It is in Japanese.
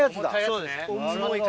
そうですね。